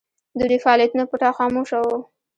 د دوی فعالیتونه پټ او خاموشه وو.